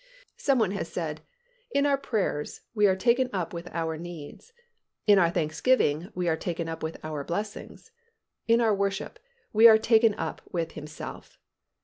Some one has said, "In our prayers, we are taken up with our needs; in our thanksgiving we are taken up with our blessings; in our worship, we are taken up with Himself."